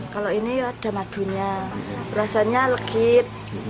kalau ini ada madunya rasanya legit